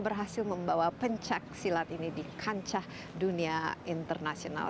berhasil membawa pencaksilat ini di kancah dunia internasional